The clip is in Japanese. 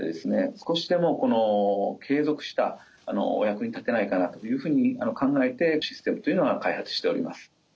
少しでもこの継続したお役に立てないかなというふうに考えてシステムというのは開発しております。